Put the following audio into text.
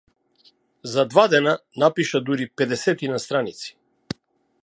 За два дена напиша дури педесетина страници.